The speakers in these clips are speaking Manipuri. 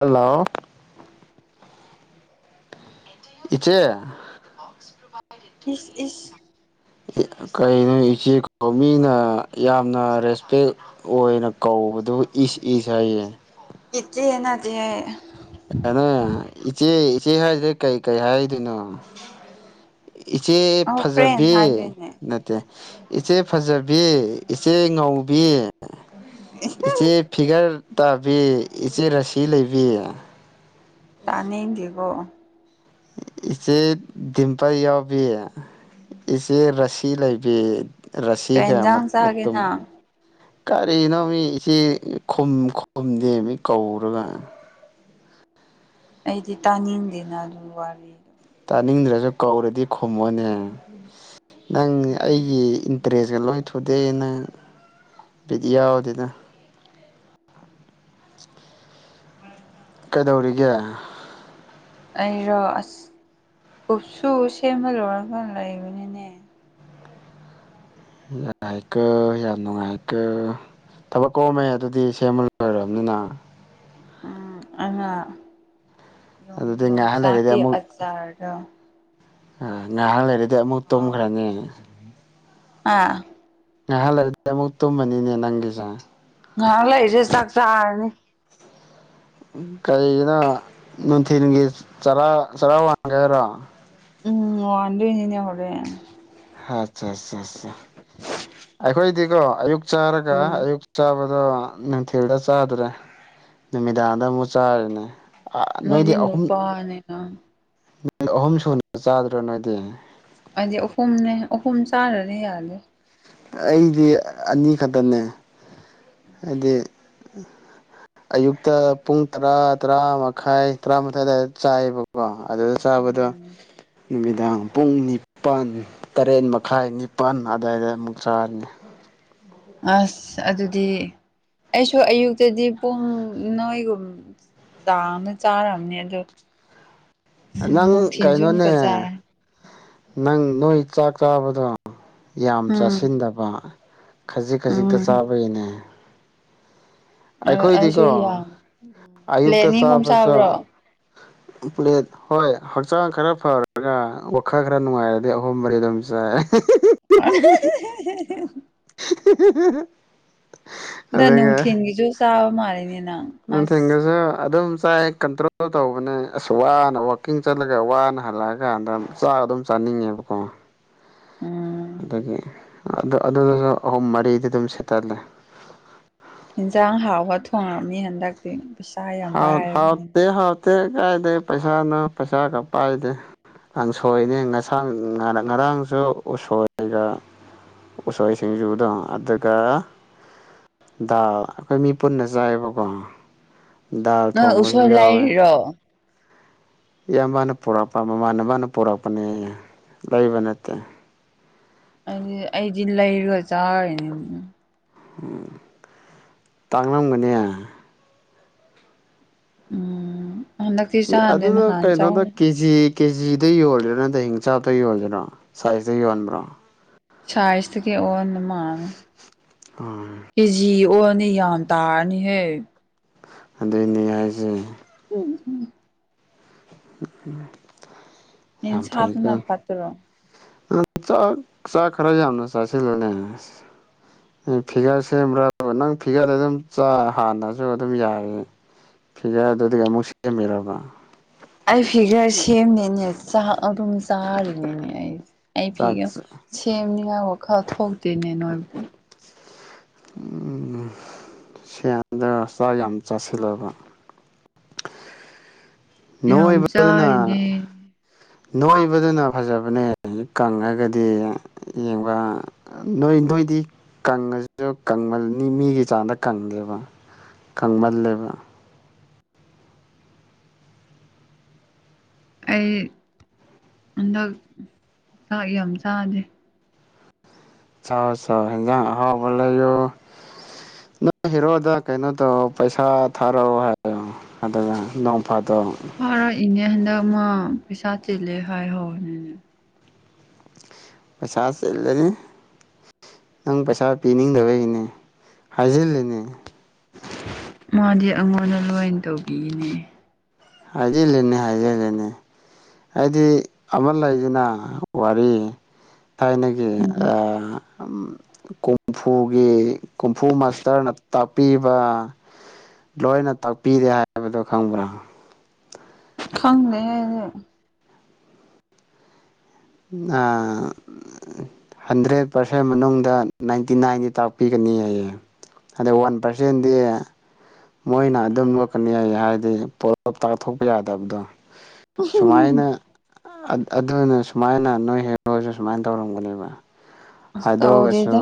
ꯍꯜꯂꯣ ꯏꯆꯦ ꯏꯁ ꯏꯁ ꯀꯩꯅꯣ ꯏꯆꯦ ꯃꯤꯅ ꯌꯥꯝꯅ ꯔꯦꯁꯄꯦꯛ ꯑꯣꯏꯅ ꯀꯧꯕꯗꯣ ꯏꯁ ꯏꯁ ꯍꯥꯏꯌꯦ ꯏꯠꯆꯦꯅꯗꯦ ꯀꯩꯅ ꯏꯆꯦ ꯏꯆꯦ ꯍꯥꯏꯗꯤ ꯀꯩ ꯀꯩ ꯍꯥꯏꯗꯣꯏꯅꯣ ꯏꯆꯦ ꯑꯧ ꯐ꯭ꯔꯦꯟ ꯐꯖꯕꯤ ꯍꯥꯏꯗꯣꯏꯅꯦ ꯏꯆꯦ ꯐꯖꯕꯤ ꯏꯆꯦ ꯉꯧꯕꯤ ꯏꯆꯦ ꯐꯤꯒꯔ ꯇꯥꯕꯤ ꯏꯆꯦ ꯔꯥꯁꯤ ꯂꯩꯕꯤ ꯇꯥꯅꯤꯡꯗꯦꯀꯣ ꯏꯆꯦ ꯗꯤꯝꯄꯜ ꯌꯥꯎꯕꯤ ꯏꯆꯦ ꯔꯥꯁꯤ ꯂꯩꯕꯤ ꯀꯩ ꯔꯁꯤꯒ ꯏꯟꯖꯥꯡ ꯆꯥꯒꯦ ꯃꯇꯨꯝ ꯅꯪ ꯀꯔꯤꯅꯣ ꯃꯤ ꯏꯆꯦ ꯈꯨꯝ ꯈꯨꯝꯗꯦ ꯃꯤ ꯀꯧꯔꯒ ꯑꯩꯗꯤ ꯇꯥꯅꯤꯡꯗꯦꯅ ꯑꯗꯨ ꯋꯥꯔꯤ ꯇꯥꯅꯤꯡꯗ꯭ꯔꯁꯨ ꯀꯧꯔꯗꯤ ꯈꯨꯝꯃꯣꯅꯦ ꯅꯪ ꯑꯩꯒꯤ ꯏꯟꯇꯔꯦꯁꯀ ꯂꯣꯏ ꯊꯨꯗꯩꯑ ꯅꯪ ꯕꯤꯠꯌꯥꯎ ꯗꯦꯗ ꯀꯩꯗꯧꯔꯤꯒꯦ ꯑꯩꯔꯣ ꯑꯁ ꯀꯨꯞꯁꯨ ꯁꯦꯝꯕ ꯂꯣꯏꯔꯒꯥꯟ ꯂꯩꯕꯅꯤꯅꯦ ꯌꯥꯏꯀꯣ ꯌꯥꯝ ꯅꯨꯡꯉꯥꯏꯀꯣ ꯊꯕꯛ ꯀꯧꯔꯝꯃꯦ ꯑꯗꯨꯗꯤ ꯁꯦꯝꯕ ꯂꯣꯏꯔꯕꯅꯤꯅ ꯑꯉ ꯌ ꯑꯗꯨꯗꯤ ꯉꯥꯏꯍꯥꯛ ꯂꯩꯔꯗꯤ ꯌꯣꯡꯁꯥꯛꯀꯤ ꯑꯃꯨꯛ ꯑꯆꯥꯔꯗ ꯉꯥꯏꯍꯥꯛ ꯂꯩꯔꯗꯤ ꯑꯃꯨꯛ ꯇꯨꯝꯈ꯭ꯔꯅꯤ ꯑꯥ ꯉꯥꯏꯍꯥꯛ ꯂꯩꯔꯗꯤ ꯑꯃꯨꯛ ꯇꯨꯝꯃꯅꯤꯅꯦ ꯅꯪꯒꯤꯁꯦ ꯉꯥꯏꯍꯥꯛ ꯂꯩꯔꯤꯁꯦ ꯆꯥꯛ ꯆꯥꯔꯅꯤ ꯀꯩꯔꯤꯒꯤꯅꯣ ꯅꯨꯡꯊꯤꯜꯒꯤ ꯆꯔꯥ ꯆꯔꯥ ꯋꯥꯡꯒꯦ ꯍꯥꯏꯔꯣ ꯎꯝ ꯋꯥꯗ ꯏꯅꯤꯅꯦ ꯍꯔꯦꯟ ꯑꯠꯆꯥ ꯑꯠꯆꯥ ꯑꯠꯆꯥ ꯑꯩꯈꯣꯏꯗꯤꯀꯣ ꯑꯌꯨꯛ ꯆꯥꯔꯒ ꯎꯝ ꯑꯌꯨꯛ ꯆꯕ ꯑꯗꯣ ꯅꯨꯡꯊꯤꯜꯗ ꯆꯥꯗ꯭ꯔꯦ ꯅꯨꯃꯤꯗꯥꯡꯗ ꯑꯃꯨꯛ ꯆꯥꯔꯤꯅꯦ ꯅꯣꯏꯗꯤ ꯑꯍꯨꯝ ꯎꯝ ꯅꯨꯃꯤꯠ ꯑꯍꯨꯝ ꯁꯨꯅ ꯆꯥꯗ꯭ꯔꯥ ꯅꯣꯏꯗꯤ ꯍꯥꯏꯗꯤ ꯑꯍꯨꯝꯅꯦ ꯑꯍꯨꯝ ꯆꯥꯔꯗꯤ ꯌꯥꯅ ꯑꯩꯗꯤ ꯑꯅꯤꯈꯛꯇꯅꯦ ꯍꯥꯏꯗꯤ ꯑꯌꯨꯛꯇ ꯄꯨꯡ ꯇꯔꯥ ꯇꯔꯥ ꯃꯈꯥꯏ ꯇꯔꯥꯃꯊꯥꯏꯋꯥꯏ ꯆꯥꯏꯑꯕꯀꯣ ꯀꯣ ꯑꯗꯨꯗ ꯆꯥꯕꯗ ꯎꯝ ꯅꯨꯃꯤꯗꯥꯡ ꯄꯨꯡ ꯅꯤꯄꯜ ꯇꯔꯦꯠ ꯃꯈꯥꯏ ꯅꯤꯄꯜ ꯑꯗꯨꯋꯥꯏꯗ ꯑꯃꯨꯛ ꯆꯥꯔꯅꯤ ꯑꯁ ꯑꯗꯨꯗꯤ ꯑꯩꯁꯨ ꯑꯌꯨꯛꯇꯗꯤ ꯄꯨꯡ ꯅꯣꯏꯒꯨꯝ ꯆꯥꯡꯅ ꯆꯥꯔꯅꯤ ꯑ ꯑꯗꯨꯣ ꯅꯪ ꯑꯃꯨꯛꯀ ꯀꯩꯅꯩꯅꯣꯅꯦ ꯆꯥꯔꯦ ꯅꯪ ꯅꯣꯏ ꯆꯥꯛ ꯆꯥꯕꯗꯣ ꯌꯥꯝ ꯎꯝ ꯆꯥꯁꯤꯟꯗꯕ꯫ ꯈꯖꯤꯛ ꯈꯖꯤꯛꯇ ꯎꯝ ꯆꯥꯕꯒꯤꯅꯦ꯫ ꯑꯩꯁꯨ ꯑꯩꯈꯣꯏꯗꯤꯀꯣ ꯌꯥꯝ ꯄ꯭ꯂꯦꯠ ꯑꯌꯨꯛꯇ ꯑꯅꯤ ꯑꯍꯨꯝ ꯆꯥꯕꯁꯨ꯫ ꯆꯥꯕ꯭ꯔꯣ ꯀꯨꯛꯂꯦꯠ꯫ ꯍꯣꯏ ꯍꯛꯆꯥꯡ ꯈꯔ ꯐꯔꯒ ꯋꯥꯈꯜ ꯈꯔ ꯅꯨꯡꯉꯥꯏꯔꯗꯤ ꯑꯍꯣꯡꯕꯔꯤ ꯑꯗꯨꯝ ꯆꯥꯏ꯫ ꯍꯤ ꯍꯤ ꯍꯥ ꯍꯤ ꯍꯤ꯫ ꯍꯥ ꯍꯥ ꯍꯤ ꯅ ꯅꯨꯡꯊꯤꯟꯒꯤꯁꯨ ꯆꯥꯕ ꯃꯥꯜꯂꯤꯅꯤ ꯅꯪ꯫ ꯑꯁ ꯅꯨꯡꯊꯤꯟꯒꯁꯨ ꯑꯗꯨꯝ ꯆꯥꯏ꯫ ꯀꯟꯇ꯭ꯔꯣꯜ ꯇꯧꯕꯅꯦ ꯑꯁ ꯋꯥꯅ ꯋꯀꯤꯡ ꯆꯠꯂꯒ ꯋꯥꯅ ꯍꯜꯂꯛꯑꯀꯥꯟꯗ ꯆꯥꯛ ꯑꯗꯨꯝ ꯆꯥꯅꯤꯡꯉꯦꯕ꯫ [inaudible] ꯎꯝ ꯑꯗꯨꯗꯒꯤ ꯑꯗꯨ ꯑꯗꯨꯗꯁꯨ ꯑꯍꯨꯝ ꯃꯔꯤꯗꯤ ꯑꯗꯨꯝ ꯁꯦꯠꯇꯜꯂꯦ꯫ ꯌꯦꯟꯖꯥꯡ ꯍꯥꯎꯕ ꯊꯣꯡꯉꯕꯅꯤ ꯍꯟꯗꯛꯇꯤ ꯄꯩꯁꯥ ꯌꯥꯝ ꯄꯥꯏꯔꯕꯅꯤꯅ꯫ ꯇꯦ ꯀꯥꯏꯦ ꯄꯩꯁꯥꯅ ꯄꯩꯁꯥꯒꯄꯥ ꯗꯦ꯫ ꯀꯥꯡ ꯁꯣꯏꯅꯦ ꯉꯁꯥꯡ ꯉꯔꯥꯡꯁꯨ ꯎꯁꯣꯏꯒ꯫ ꯎꯁꯣꯏ ꯁꯤꯡꯁꯨꯗ ꯑꯗꯨꯒ ꯗꯥꯜ ꯑꯩꯈꯣꯏ ꯃꯤ ꯄꯨꯟꯅ ꯆꯥꯏꯑꯕꯀꯣ꯫ ꯅ ꯑꯣꯁꯣꯏ ꯂꯥꯏꯔꯤꯔꯣ꯫ ꯏꯌꯥꯝꯕꯅ ꯄꯨꯔꯛꯄ ꯃꯥꯃꯥꯟ ꯅꯕꯅ ꯄꯨꯔꯛꯄꯅꯦ ꯂꯩꯕ ꯅꯠꯇꯦ꯫ ꯑꯩꯗꯤ ꯑꯩꯗꯤ ꯂꯩꯔꯨꯒ ꯆꯥꯔꯨꯏꯅꯤ꯫ ꯎꯝ ꯇꯥꯡꯂꯝꯒꯅꯦ꯫ ꯎꯝ ꯍꯟꯗꯛꯇꯤ ꯆꯗꯦ ꯅꯍꯟ ꯆꯥꯢ꯫ ꯁꯤ ꯀꯦꯖꯤꯗ ꯌꯣꯜꯂꯤꯔꯣ ꯅꯠꯇ꯭ꯔ ꯍꯤꯡꯆꯥꯥꯞꯇ ꯌꯣꯜꯂꯤꯔꯣ ꯁꯥꯏꯖꯇ ꯌꯣꯟꯕ꯭ꯔꯣ꯫ ꯁꯥꯏꯁ ꯇꯒꯤ ꯑꯣꯟꯕ ꯃꯥꯜꯂꯦ꯫ ꯎꯝ꯫ ꯀꯦꯖꯤ ꯑꯣꯅꯤ ꯌꯥꯝ ꯇꯥꯔꯅꯤꯍꯦ꯫ ꯑꯗꯨꯏꯅꯦ ꯍꯥꯏꯁꯦ꯫ ꯎꯝ ꯍꯝ ꯑꯝ ꯑꯝ ꯌꯥꯝ ꯐꯩꯗ꯫ ꯅꯦꯟꯁꯥꯗꯨꯅ ꯐꯠꯇ꯭ꯔꯣ ꯆꯥꯛ ꯆꯥꯛ ꯈꯔ ꯌꯥꯝꯅ ꯆꯥꯁꯤꯜꯂꯨꯅꯦ ꯫ ꯎꯝ ꯐꯤꯒꯔ ꯁꯦꯝꯕ꯭ꯔꯥꯕꯨ ꯅꯪ ꯐꯤꯒꯔꯗꯨ ꯑꯗꯨꯝ ꯆ ꯍꯥꯟꯅꯁꯨ ꯑꯗꯨꯝ ꯌꯥꯏ꯫ ꯐꯤꯒꯔꯗꯨꯗꯒꯤ ꯑꯃꯨꯛ ꯁꯦꯝꯃꯤꯔꯕ꯫ ꯎ [unintelligible] ꯑꯩ ꯐꯤꯒꯔ ꯁꯦꯝꯃꯦꯅꯦ ꯆꯥꯛ ꯑꯗꯨꯝ ꯆꯥꯔꯤꯅꯤꯅꯦ ꯑꯩ ꯑꯩ ꯆꯥꯛ ꯐꯤꯒꯔ ꯁꯦꯝꯅꯤꯡꯉꯥꯏ ꯋꯥꯈꯜ ꯊꯣꯛꯇꯦꯅꯦ ꯅꯣꯏꯕꯨ꯫ ꯎꯝ ꯁ꯭ꯌꯦꯟꯗ ꯆꯥꯛ ꯌꯥꯝ ꯆꯥꯁꯤꯜꯂꯕ꯫ ꯌꯥꯝ ꯅꯣꯏꯕ ꯑꯗꯨꯅ꯫ ꯆꯥꯔꯤꯅꯦ ꯅꯣꯏꯕꯗꯨꯅ ꯐꯖꯕꯅꯦ ꯍꯧꯖꯤꯛ ꯀꯥꯟꯗ ꯍꯥꯏꯔꯗꯤ ꯌꯦꯡꯕ ꯑ ꯅꯣꯏ ꯅꯣꯏꯗꯤ ꯀꯪꯉꯁꯨ ꯀꯪꯃꯜꯅꯤ ꯃꯤꯒꯤ ꯆꯥꯡꯗ ꯀꯪꯗꯦꯕ꯫ ꯀꯪꯃꯜꯂꯦꯕ꯫ ꯑꯩ ꯍꯟꯗꯛ ꯆꯥꯛ ꯌꯥꯝ ꯆꯥꯗꯦ꯫ ꯆꯥ ꯆꯥꯎ ꯍꯦꯟꯖꯥꯡ ꯍꯥꯎꯕ ꯂꯩꯌꯣ꯫ ꯅꯪ ꯍꯦꯔꯣꯗ ꯀꯩꯅꯣ ꯇꯧ ꯄꯩꯁꯥ ꯊꯥꯔꯣꯑꯣ ꯍꯥꯏꯌꯣ꯫ ꯑꯗꯨꯒ ꯅꯣꯡꯐꯥꯗꯣꯛ ꯐꯔꯛꯏꯅꯦ ꯍꯟꯗꯛ ꯃꯥ ꯄꯩꯁꯥ ꯆꯤꯜꯂꯦ ꯍꯥꯏꯍꯧꯋꯤꯅꯤꯅꯦ꯫ ꯄꯩꯁꯥ ꯆꯤꯜꯂꯤ꯫ ꯅꯪ ꯄꯩꯁꯥ ꯄꯤꯅꯤꯡꯗꯕꯩꯅꯦ ꯍꯥꯏꯖꯤꯜꯂꯤꯅꯦ꯫ ꯃꯥꯗꯤ ꯑꯩꯉꯣꯟꯗ ꯂꯣꯏ ꯇꯧꯕꯤꯅꯦ꯫ ꯍꯥꯏꯖꯤꯜꯂꯤꯅꯦ ꯍꯥꯏꯖꯤꯜꯂꯤꯅꯦ꯫ ꯍꯥꯏꯗꯤ ꯑꯃ ꯂꯩꯗꯅ ꯋꯥꯔꯤ ꯊꯥꯏꯅꯒꯤ ꯎꯝ ꯑꯥ ꯑꯝ ꯀꯣꯡꯐꯨꯒꯤ ꯀꯣꯡꯐꯨ ꯃꯥꯁꯇꯔꯅ ꯇꯥꯛꯄꯤꯕ ꯂꯣꯏꯅ ꯇꯥꯛꯄꯤꯔꯦ ꯍꯥꯏꯕꯗꯣ ꯈꯪꯕ꯭ꯔꯥ ꯈꯪꯗꯦꯍꯦ [unintelligible] [unintelligible] [unintelligible] ꯍꯟꯗ꯭ꯔꯦꯠ ꯄꯥꯔꯁꯦꯟ ꯃꯅꯨꯡꯗ ꯅꯥꯏꯟꯇꯤ ꯅꯥꯏꯟꯗꯤ ꯇꯥꯛꯄꯤꯒꯅꯤ ꯍꯥꯏꯌꯦ ꯍꯗꯤ ꯋꯥꯟ ꯄꯥꯔꯁꯦꯟꯗꯤ ꯃꯣꯏꯅ ꯑꯗꯨꯝ ꯂꯣꯛꯀꯅꯤ ꯍꯥꯏ ꯏ ꯍꯥꯏꯗꯤ ꯄꯣꯂꯞ ꯇꯥꯛꯊꯣꯛꯄ ꯌꯥꯗꯕꯗꯣ ꯁꯨꯃꯥꯏꯅ ꯑ ꯑꯗꯨꯅ ꯁꯨꯃꯥꯏꯅ ꯅꯣꯏ ꯍꯦꯔꯣꯁꯨ ꯁꯨꯃꯥꯏꯅ ꯇꯧꯔꯝꯒꯅꯦꯕ ꯑꯁ ꯍꯥꯏꯗꯣꯛꯑꯒꯁꯨ ꯇꯧꯗꯦꯗ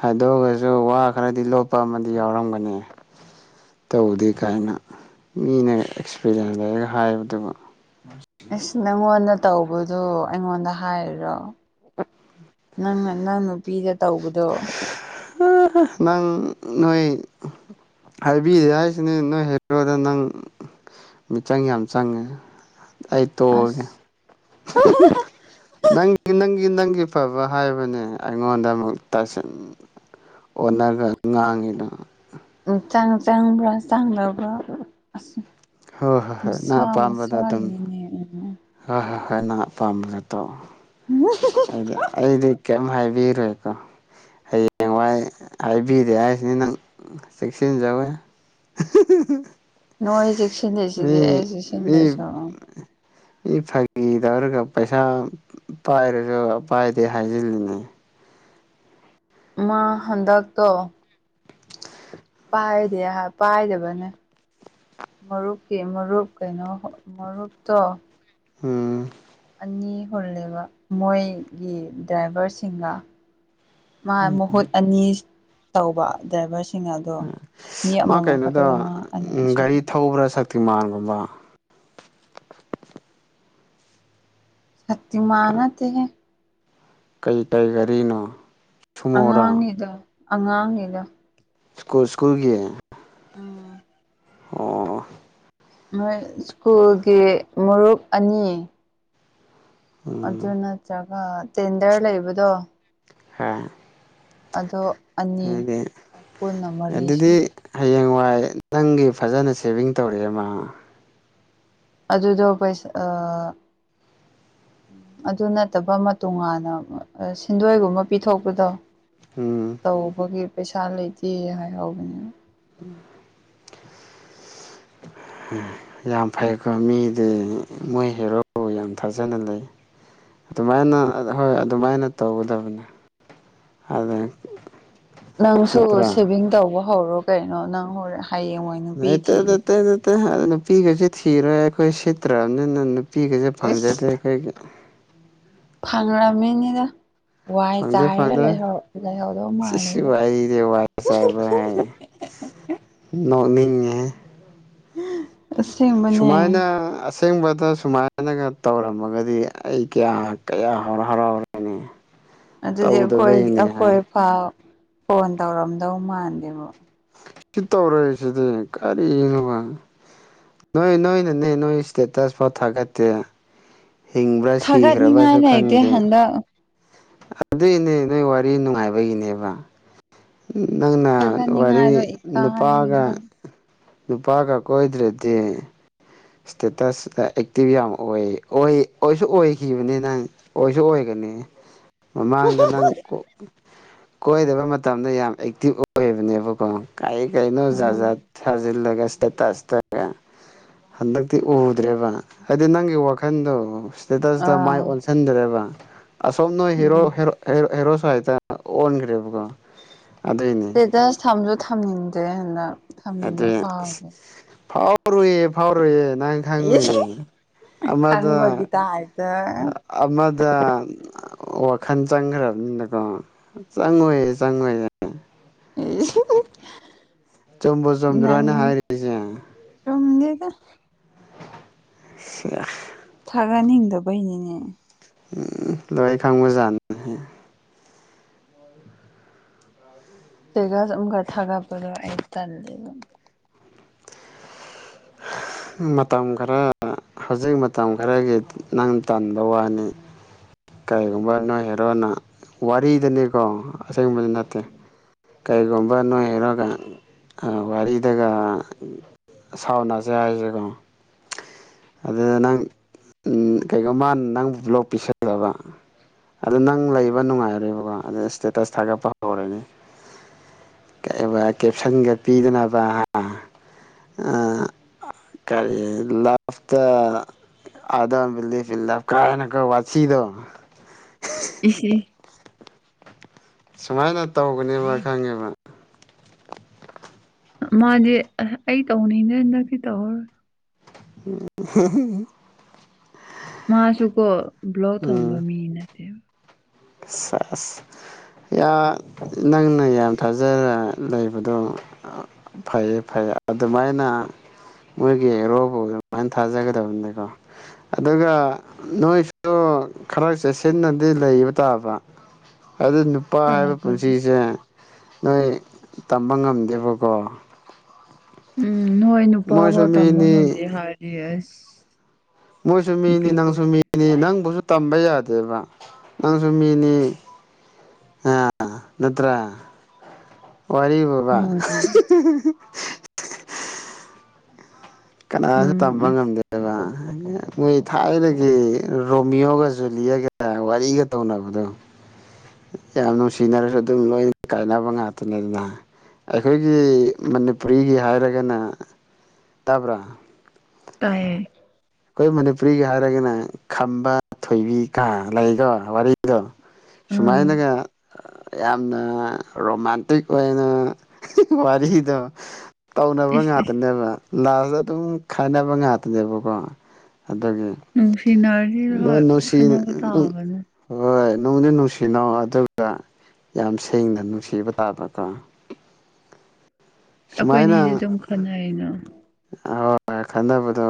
ꯍꯥꯏꯗꯣꯛꯑꯒꯁꯨ ꯋꯥ ꯈꯔꯗꯤ ꯂꯣꯠꯄ ꯑꯃꯗꯤ ꯌꯥꯎꯔꯝꯒꯅꯤ ꯇꯧꯗꯦ ꯀꯥꯏꯅ ꯃꯤꯅ ꯑꯦꯛꯁꯄꯤꯔꯤꯌꯦꯟ ꯂꯩꯔꯒ ꯍꯥꯏꯕꯗꯨꯕꯨ ꯑꯁ ꯅꯪꯉꯣꯟꯗ ꯇꯧꯕꯗꯣ ꯑꯩꯉꯣꯟꯗ ꯍꯥꯏꯔꯤꯔꯣ ꯅꯪꯅ ꯅꯪ ꯅꯨꯄꯤꯗ ꯇꯧꯕꯗꯣ [unintelligible] ꯅꯪ ꯅꯣꯏ ꯍꯥꯏꯕꯤꯗꯦ ꯍꯥꯏꯁꯤꯅꯤ ꯅꯣꯏ ꯍꯦꯔꯣꯗꯣ ꯅꯪ ꯃꯤꯆꯪ ꯌꯥꯝ ꯆꯪꯉꯦ ꯑꯩ ꯇꯣꯛꯑꯒꯦ ꯑꯁ [unintelligible] ꯅꯪꯒꯤ ꯅꯪꯒꯤ ꯅꯪꯒꯤ ꯐꯕ ꯍꯥꯏꯕꯅꯦ ꯑꯩꯉꯣꯟꯗ ꯑꯃꯨꯛ ꯇꯥꯁꯤꯟ ꯑꯣꯟꯅꯔ ꯉꯥꯡꯉꯤꯗꯣ ꯆꯥꯡ ꯆꯪꯕ꯭ꯔꯥ ꯆꯥꯡꯗꯕ꯭ꯔꯥ ꯑꯁ ꯍꯣꯏ ꯍꯣꯏ ꯍꯣꯏ ꯅꯪ ꯃꯁꯥ ꯃꯁꯥꯒꯤꯅꯤꯅꯦ [unintelligible] ꯍꯥ ꯍꯥ ꯍꯥ ꯅꯥ ꯑꯄꯥꯝꯕꯗꯣ ꯇꯣ [unintelligible] ꯑꯩꯗꯤ ꯀꯩꯝ ꯍꯥꯏꯕꯤꯔꯣꯏꯀꯣ ꯍꯌꯦꯡꯋꯥꯏ ꯍꯥꯏꯕꯤꯗꯦ ꯍꯥꯏꯁꯤꯅꯤ ꯅꯪ ꯆꯦꯛꯁꯤꯟꯖꯧꯍꯦ ꯅꯣꯏ ꯆꯦꯛ ꯁꯤꯜꯂꯤꯁꯤꯗꯤ ꯑꯩ ꯃꯤ ꯆꯤꯁꯤꯟꯗ꯭ꯔꯥꯁꯨ ꯏ ꯐꯥꯒꯤ ꯇꯧꯔꯒ ꯄꯩꯁꯥ ꯄꯥꯏꯔꯁꯨ ꯄꯥꯏꯗꯦ ꯍꯥꯏꯖꯤꯜꯂꯤꯅꯦ ꯃꯥ ꯍꯟꯗꯛ ꯇꯣ ꯄꯥꯏꯗꯦ ꯄꯥꯏꯗꯕꯅꯦ ꯃꯔꯨꯞꯀꯤ ꯃꯔꯨꯞ ꯀꯩꯅꯣ ꯃꯔꯨꯞꯇꯣ ꯎꯝ ꯑꯅꯤ ꯍꯨꯜꯂꯦꯕ ꯃꯣꯏꯒꯤ ꯗ꯭ꯔꯥꯏꯚꯔꯁꯤꯡꯒ ꯃꯥ ꯃꯍꯨꯠ ꯑꯅꯤ ꯇꯧꯕ ꯗ꯭ꯔꯥꯏꯚꯔꯁ ꯃꯥ ꯀꯩꯅꯣꯗ ꯃꯥ ꯑꯅꯤ ꯒꯥꯔꯤ ꯁꯨꯕ ꯊꯧꯕ꯭ꯔꯥ ꯁꯛꯇꯤꯃꯥꯟꯒꯨꯝꯕ ꯁꯇꯤ ꯃꯥꯟ ꯅꯠꯇꯦꯍꯦ ꯀꯩ ꯇꯩ ꯒꯔꯤꯅꯣ ꯑꯉꯥꯡꯅꯤꯗ ꯑꯉꯥꯡꯅꯤꯗ ꯀꯨꯜ ꯁ꯭ꯀꯨꯜꯒꯤ ꯎꯝ ꯑꯣ ꯃꯣꯏ ꯁ꯭ꯀꯨꯜꯒꯤ ꯃꯔꯨꯞ ꯑꯅꯤ ꯑꯗꯨ ꯎꯝ ꯅꯠꯇ꯭ꯔꯒ ꯇꯦꯟꯗꯔ ꯂꯩꯕꯗꯣ ꯍꯥ ꯑꯗꯣ ꯑꯅꯤ ꯄꯨꯟꯅ ꯃꯔꯤꯁꯨ ꯑꯗꯨꯗꯤ ꯍꯌꯦꯡꯋꯥꯏ ꯅꯪꯒꯤ ꯐꯖꯅ ꯁꯦꯚꯤꯡ ꯇꯧꯔꯦꯃ ꯑꯗꯨꯗꯣ ꯄꯩꯁꯥ ꯑꯥ ꯑꯗꯨ ꯅꯠꯇꯕ ꯃꯇꯣꯉꯥꯟꯅ ꯁꯤꯟꯗꯣꯏꯒꯨꯝꯕ ꯄꯤꯊꯣꯛꯄꯗꯣ ꯎꯝ ꯇꯧꯕꯒꯤ ꯄꯩꯁꯥ ꯂꯩꯇꯦ ꯍꯥꯏꯍꯧꯕꯅꯤ ꯎꯝ ꯌꯥꯝ ꯐꯩꯀꯣ ꯃꯤꯗꯤ ꯃꯣꯏ ꯍꯦꯔꯣ ꯌꯥꯝ ꯊꯥꯖꯅ ꯂꯩ ꯑꯗꯨꯃꯥꯏꯅ ꯍꯣꯏ ꯑꯗꯨꯃꯥꯏꯅ ꯇꯧꯒꯗꯕꯅꯦ ꯑꯗ ꯅꯪꯁꯨ ꯁꯦꯚꯤꯡ ꯇꯧꯕ ꯍꯧꯔꯣ ꯀꯩꯅꯣ ꯅꯪ ꯍꯣꯔꯦꯟ ꯍꯌꯦꯡꯋꯥꯏ ꯅꯨꯄꯤ ꯂꯩꯇꯩ ꯅꯇꯩ ꯊꯤꯔꯗꯤ ꯅꯠꯇꯦ ꯅꯨꯄꯤꯒꯁꯨ ꯊꯤꯔꯣꯏ ꯑꯩꯈꯣꯏ ꯁꯤꯠꯇ꯭ꯔꯕꯅꯤꯅ ꯅꯨꯄꯤꯒꯁꯦ ꯐꯪꯖꯗꯦ ꯑꯩꯈꯣꯏꯒꯤ ꯐꯪꯔꯃꯤꯅꯤꯗ ꯐꯪꯗꯦ ꯐꯪꯗꯦ ꯂꯩꯍꯧꯗꯧ ꯏꯁ ꯏꯁ ꯃꯥꯜꯂꯦꯗ ꯋꯥꯔꯤꯗꯤ ꯋꯥꯏ ꯆꯥꯏꯕꯒ ꯍꯥꯏꯌꯦ ꯅꯣꯛꯅꯤꯡꯉꯦꯍꯦ [unintelligible] ꯁꯨꯃꯥꯏꯅ ꯑꯁꯦꯡꯕꯅꯦ ꯑꯁꯦꯡꯕꯗ ꯁꯨꯃꯥꯏꯅꯒ ꯇꯧꯔꯝꯃꯒꯗꯤ ꯑꯩ ꯀꯌꯥ ꯀꯌꯥ ꯍꯔꯥꯎ ꯍꯔꯥꯎꯔꯅꯤ ꯑꯗꯨꯗꯤ ꯑꯩꯈꯣꯏ ꯑꯩꯈꯣꯏ ꯐꯥꯎ ꯐꯣꯟ ꯇꯧꯔꯝꯗꯧ ꯃꯥꯟꯗꯦꯕꯣ ꯁꯤ ꯇꯧꯔꯛꯏꯁꯤꯗꯤ ꯀꯔꯤꯅꯣꯕ ꯅꯣꯏ ꯅꯣꯏꯅꯅꯦ ꯅꯣꯏ ꯏꯁꯇꯦꯇꯁ ꯐꯥꯎ ꯊꯥꯒꯠꯇꯦ ꯍꯤꯡꯕ꯭ꯔꯥ ꯊꯥꯒꯠꯅꯤꯡꯉꯥꯏ ꯁꯤꯈ꯭ꯔꯕꯁꯨ ꯂꯩꯇꯦ ꯈꯪꯗꯦ ꯍꯟꯗꯛ ꯑꯗꯨꯏꯅꯦ ꯅꯣꯏ ꯋꯥꯔꯤ ꯅꯨꯡꯉꯥꯏꯕꯒꯤꯅꯦꯕ ꯅꯪꯅ ꯋꯥꯔꯤ ꯊꯥꯒꯠꯅꯤꯡꯉꯥꯏꯗꯣ ꯏꯀꯥꯏ ꯅꯨꯄꯥꯒ ꯍꯟꯗꯛ ꯅꯨꯄꯥꯒ ꯀꯣꯏꯗ꯭ꯔꯗꯤ ꯏꯁꯇꯦꯇꯁ ꯑꯦꯛꯇꯤꯚ ꯌꯥꯝ ꯑꯣꯏ ꯑꯣꯏ ꯑꯣꯏꯁꯨ ꯑꯣꯏꯈꯤꯕꯅꯤꯅꯦ ꯅꯡ ꯑꯣꯏꯁꯨ ꯑꯣꯏꯒꯅꯤ ꯃꯃꯥꯡꯗ ꯅꯪ ꯀꯣꯏꯗꯕ ꯃꯇꯝꯗ ꯌꯥꯝ ꯑꯦꯛꯇꯤꯚ ꯑꯣꯏꯕꯅꯦꯕꯀꯣ ꯀꯩ ꯀꯩꯅꯣ ꯖꯥꯠ ꯎꯝ ꯖꯥꯠ ꯊꯥꯖꯤꯜꯂꯒ ꯏꯁꯇꯦꯇꯁ ꯇ ꯍꯟꯗꯛꯇꯤ ꯎꯗ꯭ꯔꯦꯕ ꯍꯥꯏꯗꯤ ꯅꯪꯒꯤ ꯋꯥꯈꯟꯗꯣ ꯏꯁꯇꯦꯇꯁꯇ ꯃꯥꯏ ꯑꯥ ꯑꯣꯟꯁꯤꯟ [unintelligible] ꯗꯔꯦꯕ ꯑꯁꯣꯝ ꯅꯣꯏ ꯍꯦꯔꯣ ꯎꯝ ꯍꯦ ꯍꯦꯔꯣ ꯁ꯭ꯋꯥꯗ ꯑꯣꯟꯈ꯭ꯔꯦꯕꯀꯣ ꯑꯗꯨꯏꯅꯤ ꯏꯁꯇꯦꯇꯁ ꯊꯝꯁꯨ ꯊꯝꯅꯤꯡꯗꯦ ꯍꯟꯗꯛ ꯊꯝꯅꯤꯡꯕ ꯑꯗꯨꯏ ꯑꯁ ꯐꯥꯎꯗꯦ ꯐꯥꯎꯔꯣꯏꯌꯦ ꯐꯥꯎꯔꯣꯏꯌꯦ ꯅꯪ ꯏꯁ ꯈꯪꯉꯨꯏꯌꯦ ꯑꯃꯗꯣ ꯈꯪꯕꯒꯤ ꯇꯥꯏꯞꯇ ꯑꯃꯗ ꯋꯥꯈꯜ ꯆꯪꯈ꯭ꯔꯕꯅꯤꯅꯀꯣ ꯆꯪꯉꯣꯏꯌꯦ ꯆꯪꯉꯣꯏꯌꯦ [unintelligible] ꯆꯨꯝꯕꯨ ꯆꯨꯝꯗ꯭ꯔꯣ ꯑꯩꯅ ꯅꯪ ꯍꯥꯏꯔꯤꯁꯦ ꯆꯨꯝꯗꯦꯗ [unintelligible] ꯊꯥꯒꯠꯅꯤꯡꯗꯕꯩꯅꯤꯅꯦ ꯎꯝ ꯂꯣꯏ ꯈꯪꯕꯖꯥꯠꯅꯤ [unintelligible] ꯏꯁꯇꯦꯇꯁ ꯑꯃꯨꯛꯀ ꯊꯥꯒꯠꯄꯗꯣ ꯑꯩ ꯇꯟꯂꯦꯕ ꯃꯇꯝ ꯈꯔꯥꯥ ꯍꯧꯖꯤꯛ ꯃꯇꯝ ꯈꯔꯥꯒꯤ ꯅꯪ ꯇꯟꯕ ꯋꯥꯅꯤ ꯀꯩꯒꯨꯝꯕ ꯅꯣꯏ ꯍꯦꯔꯣꯅ ꯋꯥꯔꯤꯗꯅꯤꯀꯣ ꯑꯁꯤꯒꯨꯝꯕꯗꯤ ꯅꯠꯇꯦ ꯀꯔꯤꯒꯨꯝꯕ ꯅꯣꯏ ꯍꯦꯔꯣꯒ ꯋꯥꯔꯤꯗꯒ ꯁꯥꯎꯅ [unintelligible] ꯍꯥꯏꯁꯦꯀꯣ ꯑꯗꯨꯗ ꯅꯪ ꯎ ꯀꯩꯒꯣ ꯃꯥꯅ ꯅꯪꯕꯨ ꯕ꯭ꯂꯣꯛ ꯄꯤꯁꯜꯂꯕ ꯑꯗꯨ ꯅꯪ ꯂꯩꯕ ꯅꯨꯡꯉꯥꯏꯔꯦꯕꯀꯣ ꯑꯗꯨ ꯏꯁꯇꯦꯇꯁ ꯊꯥꯒꯠꯄ ꯍꯧꯔꯅꯤ ꯀꯩꯕ ꯀꯦꯞꯁꯟꯒ ꯄꯤꯗꯅꯕ ꯍꯥ ꯑꯥ ꯀꯔꯤ ꯂꯥꯁꯇ [unintelligible] ꯋꯥꯊꯤꯗꯣ ꯏꯁꯤ ꯁꯨꯃꯥꯏꯅ ꯇꯧꯒꯅꯦꯕ ꯈꯪꯉꯦꯕ ꯃꯣꯏꯗꯤ ꯑꯩ ꯇꯧꯅꯤꯡꯗꯦ ꯍꯟꯗꯛꯇꯤ ꯇꯧꯔꯔꯣꯏ [unintelligible] ꯃꯥꯁꯨꯀꯣ ꯕ꯭ꯂ‌ꯣꯛ ꯊꯝꯕ ꯃꯤꯅꯦ ꯁꯥꯁ ꯌꯤ ꯅꯪꯅ ꯌꯥꯝ ꯊꯥꯖꯔ ꯂꯩꯕꯗꯣ ꯐꯩꯌꯦ ꯐꯩꯌꯦ ꯑꯗꯨꯃꯥꯏꯅ ꯃꯣꯏꯒꯤ ꯍ‌ꯦꯔꯣꯕꯨ ꯑꯗꯨꯃꯥꯏꯅ ꯊꯥꯖꯒꯗꯕꯅꯤꯀꯣ ꯑꯗꯨꯒ ꯅꯣꯏꯁꯨ ꯈꯔ ꯆꯦꯛꯁꯤꯟꯅꯗꯤ ꯂꯩꯕ [unintelligible] ꯑꯗꯨ ꯅꯨꯄꯥ ꯍꯥꯏꯕ ꯇꯥꯕꯅꯦ ꯄꯨꯟꯁꯤꯁꯦ ꯅꯣꯏ ꯇꯝꯕ ꯉꯝꯗꯦꯕꯀꯣ ꯎꯝ ꯅꯣꯏ ꯃꯣꯏꯁꯨ ꯅꯨꯄꯥꯐꯥꯎ ꯇꯝꯕ ꯃꯤꯅꯤ ꯉꯝꯗꯦ ꯍꯥꯏꯔꯗꯤ ꯑꯁ ꯃꯣꯏꯁꯨ ꯃꯤꯅꯤ ꯅꯪꯁꯨ ꯅꯨꯄꯤꯈꯣꯏꯗꯤ ꯃꯤꯅꯤ ꯅꯪꯕꯨꯁꯨ ꯇꯝꯕ ꯌꯥꯗꯦꯕ ꯅꯪꯁꯨ ꯃꯤꯅꯤ ꯑꯥ ꯅꯠꯇ꯭ꯔ ꯋꯥꯔꯤꯕꯨꯕꯥ ꯃꯥꯅꯦ ꯀꯅꯥꯁꯨ ꯅꯪ ꯇꯝꯕ ꯑꯁ ꯉꯝꯗꯦ [unintelligible] ꯃꯣꯏ ꯊꯥꯏꯗꯒꯤ ꯔꯣꯃꯤꯌꯣꯒ ꯖꯨꯂꯤꯌꯥꯒ ꯋꯥꯔꯤꯒ ꯇꯧꯅꯕꯗꯣ ꯌꯥꯝ ꯅꯨꯡꯁꯤꯅꯔꯁꯨ ꯑꯗꯨꯝ ꯂꯣꯏꯅ ꯀꯥꯏꯅꯕ ꯉꯥꯛꯇꯅꯤꯗꯅ ꯑꯩꯈꯣꯏꯒꯤ ꯃꯅꯤꯄꯨꯔꯤꯒꯤ ꯍꯥꯏꯔꯒꯅ ꯇꯥꯕ꯭ꯔꯥ ꯇꯥꯏꯌꯦ ꯑꯩꯈꯣꯏ ꯃꯅꯤꯄꯨꯔꯤꯒꯤ ꯍꯥꯏꯔꯒꯅ ꯈꯝꯕ ꯊꯣꯏꯕꯤ ꯀ ꯂꯩꯀꯣ ꯋꯥꯔꯤ ꯗꯣ ꯑꯥ ꯁꯨꯃꯥꯏꯅꯒ ꯌꯥꯝꯅ ꯔꯣꯃꯥꯟꯇꯤꯛ ꯑꯣꯏꯅ ꯋꯥꯔꯤꯗꯣ ꯇꯧꯅꯕ ꯏꯁ ꯏꯁ ꯉꯥꯛꯇꯅꯦꯕ ꯂꯥꯁꯇ ꯑꯗꯨꯝ ꯈꯥꯏꯅꯕ ꯉꯥꯛꯇꯅꯦꯕꯀꯣ ꯑꯗꯨꯒꯤ ꯅꯨꯡꯁꯤꯅꯔꯗꯤ ꯍꯣꯏ ꯅꯨꯡꯁꯤ ꯈꯟꯅꯕ ꯇꯥꯕꯅꯦ ꯍꯣꯏ ꯅꯨꯡꯗꯤ ꯅꯨꯡꯁꯤꯅꯧ ꯑꯗꯨꯒ ꯌꯥꯝ ꯁꯦꯡꯅ ꯅꯨꯡꯁꯤꯕ ꯇꯥꯕꯀꯣ ꯑꯩꯈꯣꯏꯅꯤꯗꯤ ꯁꯨꯃꯥꯏꯅ ꯑꯗꯨꯝ ꯈꯠꯅꯩꯅꯣ ꯍꯣꯏ ꯈꯟꯅꯕꯗꯣ